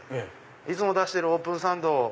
「いつも出してるオープンサンド